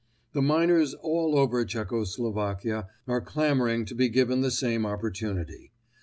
The miners all over Czecho Slovakia are clamouring to be given the same opportunity.